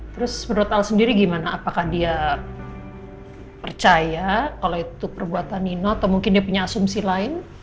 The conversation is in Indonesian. terus menurut al sendiri gimana apakah dia percaya kalau itu perbuatan nino atau mungkin dia punya asumsi lain